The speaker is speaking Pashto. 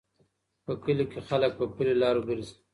په کلي کې خلک په پلي لارو ګرځي.